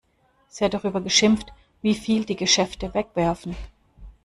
Sie hat darüber geschimpft, wie viel die Geschäfte wegwerfen.